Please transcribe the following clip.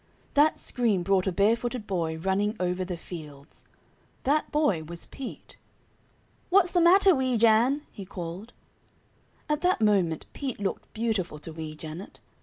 That scream brought a barefooted boy running over the fields. That boy was Pete. "What's the matter, Weejan?" he called. At that moment Pete looked beautiful to Wee Janet.